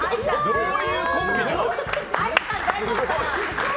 どういうコンビなの。